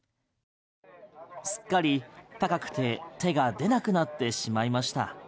すっかり高くて手が出なくなってしまいました。